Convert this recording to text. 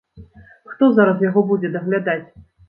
Хто зараз яго будзе даглядаць?